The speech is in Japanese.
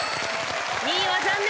２位は残念。